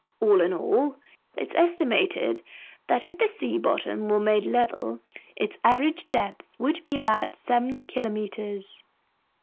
All in all, it's estimated that if the sea bottom were made level, its average depth would be about seven kilometers."